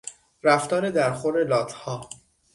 رفتار در خور لاتها